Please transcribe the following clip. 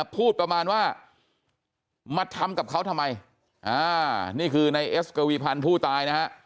พูดประมาณว่ามาทำกับเขาทำไมนี่คือในเอสกวีพันธ์ผู้ตายนะฮะ